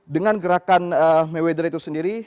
dengan gerakan mayweather itu sendiri